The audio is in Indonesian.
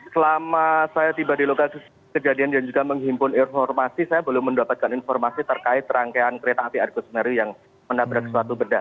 selama saya tiba di lokasi kejadian dan juga menghimpun informasi saya belum mendapatkan informasi terkait rangkaian kereta api argo semeru yang menabrak suatu bedah